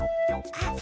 あっ！